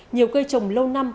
nhiều cây trồng lâu năm